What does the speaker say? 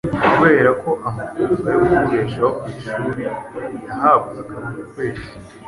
Kubera ko amafaranga yo kumubeshaho ku ishuri yahabwaga buri kwezi